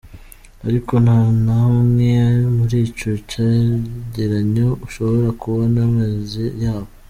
Ariko nta na hamwe muri ico cegeranyo ushobora kubona amazi yabo.